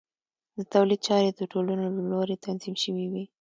د تولید چارې د ټولنو له لوري تنظیم شوې وې.